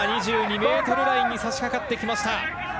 ２２ｍラインに差し掛かってきました。